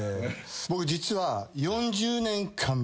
僕実は。